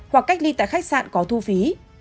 hoặc cách ly tại khách sạn có thu phí